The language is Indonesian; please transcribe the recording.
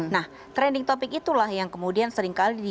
nah trending topic itulah yang kemudian seringkali